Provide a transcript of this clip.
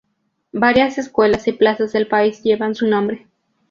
Varias escuelas y plazas del país llevan su nombre.